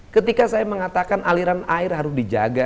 ketika saya mengatakan aliran air harus dijaga